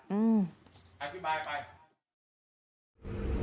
ใครพี่บายไป